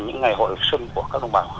những ngày hội xuân của các đồng bào